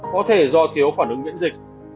có thể do thiếu phản ứng miễn dịch